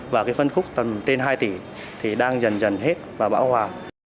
và cái phân khúc tầm trên hai tỷ thì đang dần dần hết và bão hòa